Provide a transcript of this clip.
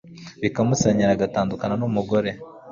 bikamusenyera agatandukana nu mugore